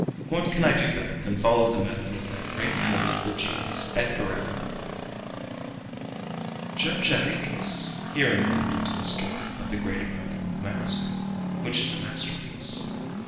What can I do better than follow the method of that great analytical genius, Edgar Allan Poe?" Judge Jarriquez herein alluded to a story by the great American romancer, which is a masterpiece.